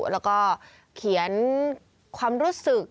แล้วก็เขียนความรู้สึก